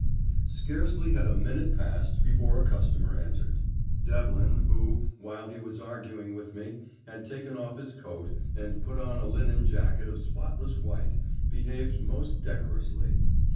Scarcely had a minute passed before a customer entered. Devlin, who, while he was arguing with me, had taken off his coat, and put on a linen jacket of spotless white, behaved most decorously.